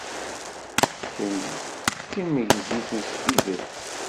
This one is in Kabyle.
Kemm d timegzit s tidet!